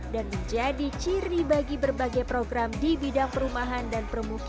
dan menjadi ciri bagi berbagai program di bidang perumahan